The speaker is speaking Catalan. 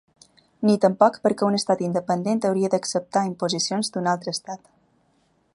Ni tampoc perquè un estat independent hauria d’acceptar imposicions d’un altre estat.